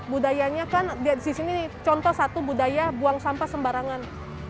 budayanya kan di sini contoh satu budaya buang sampah sembarangan